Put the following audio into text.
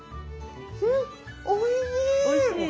おいしい！